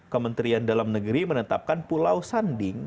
kementerian dalam negeri menetapkan pulau sanding